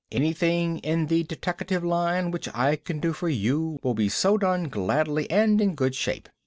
"Anything in the deteckative line which I can do for you will be so done gladly and in good shape.